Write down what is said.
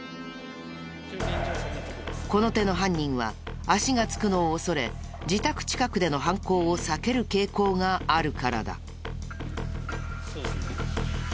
この手の犯人は足がつくのを恐れ自宅近くでの犯行を避ける傾向があるからだ。